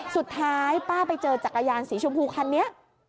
สุดท้ายป้าไปเจอจักรยานสีชมพูคันนี้